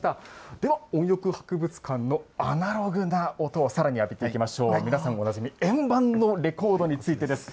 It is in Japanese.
では音浴博物館のアナログな音をさらに浴びていきましょう、皆さんおなじみ、円盤のレコードについてです。